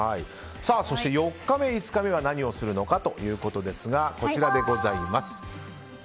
そして４日目、５日目は何をするのかというとこちらです。